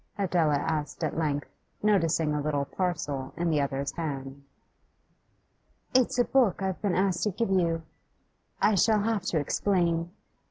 Adela asked at length, noticing a little parcel in the other's hand. 'It's a book I have been asked to give you. I shall have to explain.